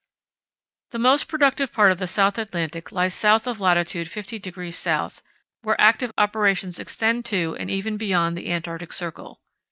The most productive part of the South Atlantic lies south of latitude 50° S., where active operations extend to and even beyond the Antarctic circle.